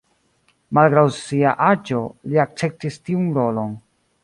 Malgraŭ sia aĝo, li akceptis tiun rolon.